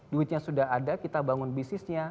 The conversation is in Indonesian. duitnya sudah ada kita bangun bisnisnya